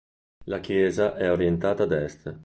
La chiesa è orientata ad est.